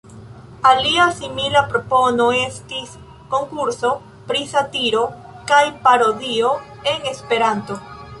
Alia simila propono estis konkurso pri satiro kaj parodio en Esperanto.